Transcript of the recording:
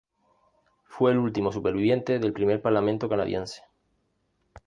Fue el último sobreviviente del primer parlamento canadiense.